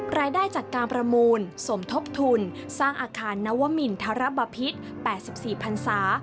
รายได้จากการประมูลสมทบทุนสร้างอาคารนวมินทรบพิษ๘๔พันศา